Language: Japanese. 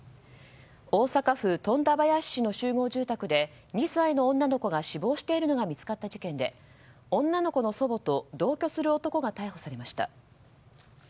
大阪府富田林市の集合住宅で２歳の女の子が死亡しているのが見つかった事件で女の子の祖母と同居する男が逮捕されました。